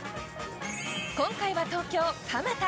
今回は東京・蒲田。